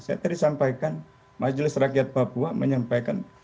saya tadi sampaikan majelis rakyat papua menyampaikan